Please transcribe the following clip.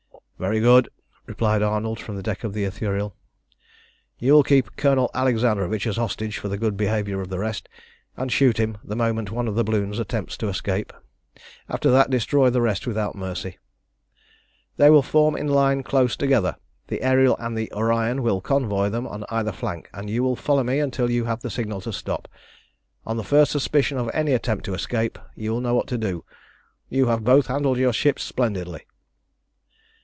"Very good," replied Arnold from the deck of the Ithuriel. "You will keep Colonel Alexandrovitch as hostage for the good behaviour of the rest, and shoot him the moment one of the balloons attempts to escape. After that destroy the rest without mercy. They will form in line close together. The Ariel and the Orion will convoy them on either flank, and you will follow me until you have the signal to stop. On the first suspicion of any attempt to escape you will know what to do. You have both handled your ships splendidly."